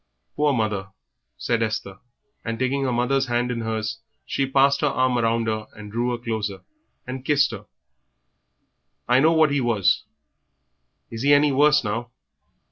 "Poor mother!" said Esther, and, taking her mother's hand in hers, she passed her arm round her, drew her closer, and kissed her. "I know what he was; is he any worse now?"